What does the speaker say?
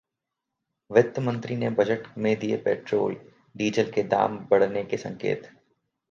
वित्त मंत्री ने बजट में दिये पेट्रोल, डीजल के दाम बढ़ने के संकेत